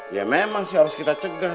ya memang sih harus kita cegah